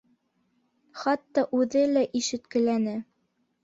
Хатта үҙе лә ишеткеләне